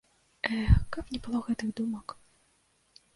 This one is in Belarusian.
Эх, каб не было гэтых думак!